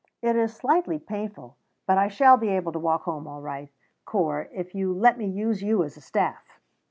"It is slightly painful; but I shall be able to walk home all right, Corp, if you let me use you as a staff."